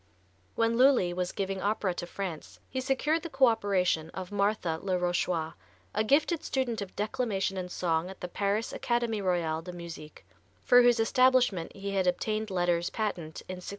When Lully was giving opera to France he secured the co operation of Marthe le Rochois, a gifted student of declamation and song at the Paris Académie Royale de Musique, for whose establishment he had obtained letters patent in 1672.